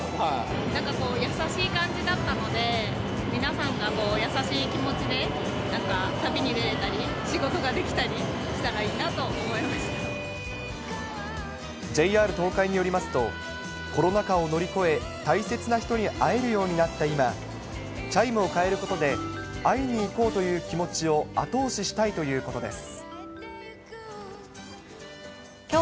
なんかこう、優しい感じだったので、皆さんが優しい気持ちで、旅に出れたり、仕事ができたりしたらいＪＲ東海によりますと、コロナ禍を乗り越え、大切な人に会えるようになった今、チャイムを変えることで、会いにいこうという気持ちを後押ししたいということです。